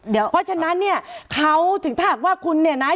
เพราะฉะนั้นเนี่ยเขาถึงถ้าหากว่าคุณเนี่ยนะ